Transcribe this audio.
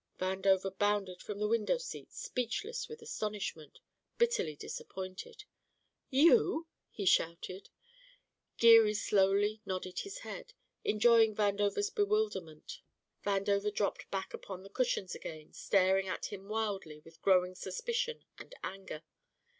Vandover bounded from the window seat speechless with astonishment, bitterly disappointed. "You? he shouted. Geary slowly nodded his head, enjoying Vandover's bewilderment. Vandover dropped back upon the cushions again, staring at him wildly with growing suspicion and anger.